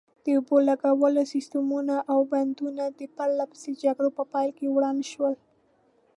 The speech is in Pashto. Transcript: د اوبو لګولو سیسټمونه او بندونه د پرلپسې جګړو په پایله کې وران شول.